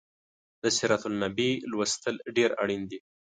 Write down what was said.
د سیرت النبي لوستل ډیر اړین دي